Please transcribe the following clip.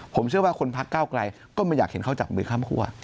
ผมเชื่อว่าคนพักเก้าไกลก็ไม่อยากเห็นเขาจับมือข้ามคั่ว